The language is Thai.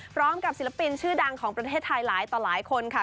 ศิลปินชื่อดังของประเทศไทยหลายต่อหลายคนค่ะ